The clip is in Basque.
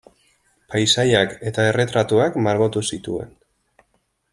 Paisaiak eta erretratuak margotu zituen.